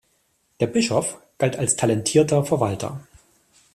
Der Bischof galt als talentierter Verwalter.